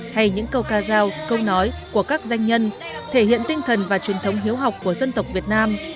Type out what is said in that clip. hay những câu ca giao câu nói của các doanh nhân thể hiện tinh thần và truyền thống hiếu học của dân tộc việt nam